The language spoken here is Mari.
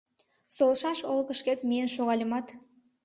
Солышаш олыкышкет миен шогальымат